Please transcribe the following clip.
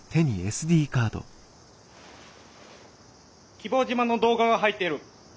希望島の動画が入ってる。